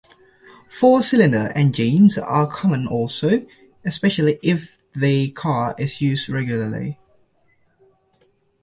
Four-cylinder engines are common also, especially if the car is used regularly.